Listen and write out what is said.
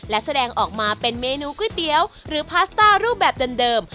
และแสดงออกมาเป็นเมนูก๋วยเตี๋ยวหรือพาสต้ารูปแบบเดิม